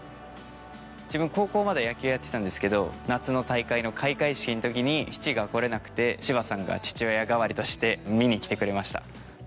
自分高校まで野球やってたんですけど夏の大会の開会式の時に父が来れなくて柴さんが父親代わりとして見に来てくれました。